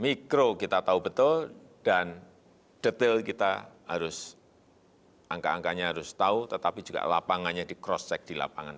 mikro kita tahu betul dan detail kita harus angka angkanya harus tahu tetapi juga lapangannya di cross check di lapangan